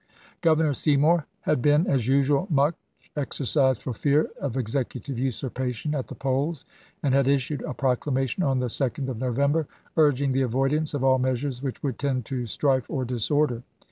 Governor Seymour had been, as usual, much exercised for fear of executive usurpation at the polls, and had issued a proclamation on the 2d ism. of November urging the avoidance of all measures which would tend to strife or disorder.